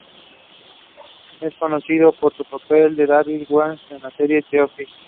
Es conocido por su papel de David Wallace en la serie "The Office".